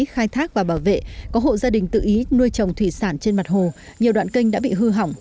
khai thác và bảo vệ có hộ gia đình tự ý nuôi trồng thủy sản trên mặt hồ nhiều đoạn kênh đã bị hư hỏng